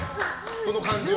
その感じは。